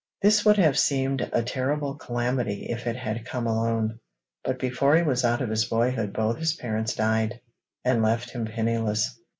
This would have seemed a terrible calamity if it had come alone, but before he was out of his boyhood both his parents died, and left him penniless.